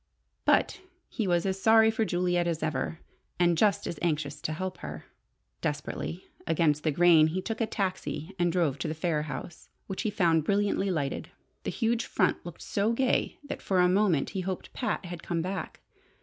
But he was as sorry for Juliet as ever, and just as anxious to help her. Desperately against the grain, he took a taxi and drove to the Phayre house, which he found brilliantly lighted. The huge front looked so gay that for a moment he hoped Pat had come back.